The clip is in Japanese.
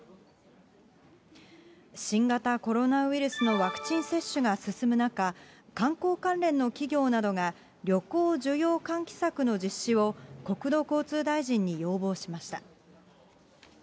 新型コロナウイルスのワクチン接種が進む中、観光関連の企業などが、旅行需要喚起策の実施を、国土交通大臣に要望しました。